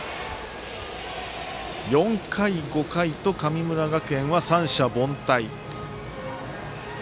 ４回、５回と神村学園は三者凡退。